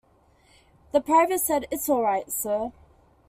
The private said It's all right, sir.